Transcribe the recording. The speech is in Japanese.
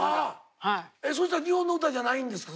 そしたら日本の歌じゃないんですか？